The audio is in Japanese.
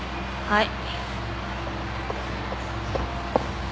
はい。